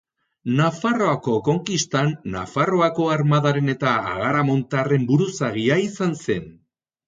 Nafarroako konkistan Nafarroako armadaren eta agaramontarren buruzagia izan zen.